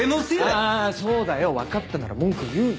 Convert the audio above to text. ああそうだよ分かったなら文句言うな。